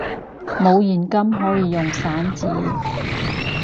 冇現金可以用散紙！